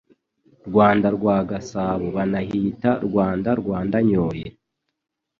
Rwanda rwa Gasabo banahita Rwanda rwa Ndanyoye